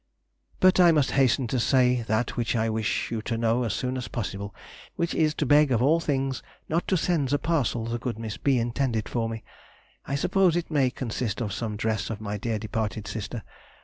But I must hasten to say that which I wish you to know as soon as possible, which is, to beg of all things not to send the parcel the good Miss B. intended for me. I suppose it may consist of some dress of my dear departed sister....